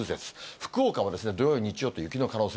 福岡も土曜、日曜と雪の可能性。